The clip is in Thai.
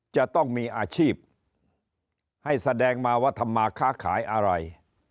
จะต้องมีอาชีพให้แสดงมาว่าทำมาค้าขายอะไร